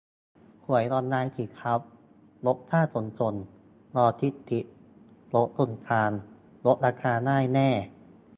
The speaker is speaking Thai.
หวยออนไลน์สิครับ ลดค่าขนส่ง-ลอจิสติกส์ ลดคนกลาง ลดราคาได้แน่